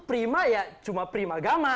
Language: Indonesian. prima ya cuma prima agama